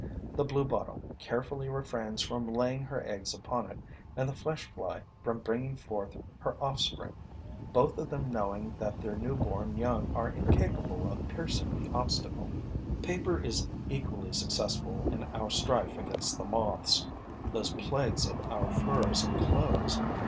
The Bluebottle carefully refrains from laying her eggs upon it and the flesh fly from bringing forth her offspring, both of them knowing that their newborn young are incapable of piercing the obstacle. Paper is equally successful in our strife against the Moths, those plagues of our furs and clothes.